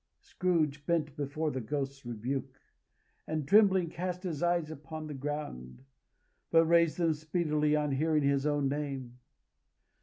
Scrooge bent before the Ghost's rebuke, and trembling cast his eyes upon the ground. But he raised them speedily on hearing his own name.